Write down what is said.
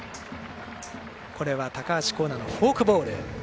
これは高橋光成のフォークボール。